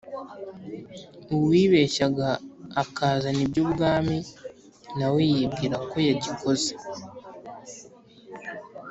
uwibeshyaga akazana iby'ubwami nawe yibwira ko yagikoze,